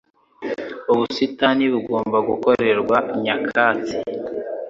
Ubusitani bugomba gukorerwa nyakatsi